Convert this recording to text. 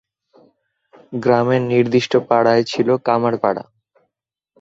গ্রামের নির্দিষ্ট পাড়ায় ছিল কামার পাড়া।